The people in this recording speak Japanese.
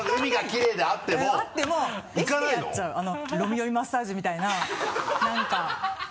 ロミロミマッサージみたいな何か。